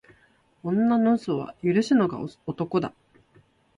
女の嘘は許すのが男だ。